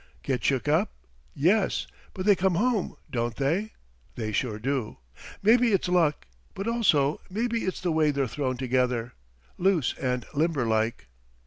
Get shook up yes. But they come home, don't they? They sure do. Maybe it's luck, but also maybe it's the way they're thrown together loose and limber like."